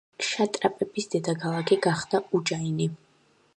ქშატრაპების დედაქალაქი გახდა უჯაინი.